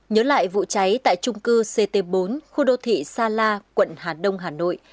nhớ lại vụ cháy tại trung cư ct bốn khu đô thị sa la quận hà đông hà nội